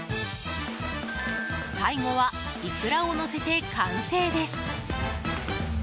最後はイクラをのせて完成です。